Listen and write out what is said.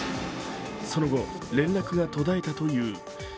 その後、連絡が途絶えたという。